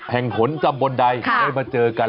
แห่งผลจำบนใดได้มาเจอกัน